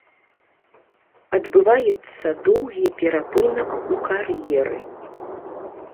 Адбываецца доўгі перапынак у кар'еры.